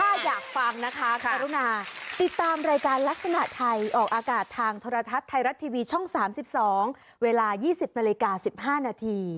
ถ้าอยากฟังนะคะกรุณาติดตามรายการลักษณะไทยออกอากาศทางโทรทัศน์ไทยรัฐทีวีช่อง๓๒เวลา๒๐นาฬิกา๑๕นาที